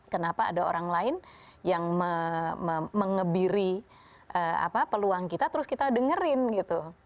kenapa ada orang lain yang mengebiri peluang kita terus kita dengerin gitu